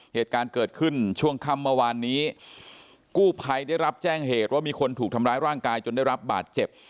เหตุการณ์เกิดขึ้นช่วงค่ำเมื่อวานนี้กู้ภัยได้รับแจ้งเหตุว่ามีคนถูกทำร้ายร่างกายจนได้รับบาดเจ็บ